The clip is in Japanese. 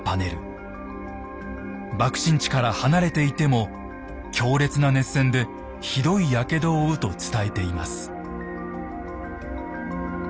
爆心地から離れていても強烈な熱線でひどいやけどを負うと伝えています。